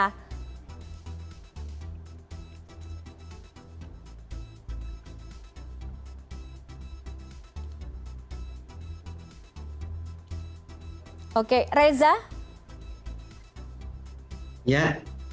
tapi kondisinya sekarang sangat mencekam boleh digambarkan bagaimana kondisi kebatinan warga yang berada di sana reza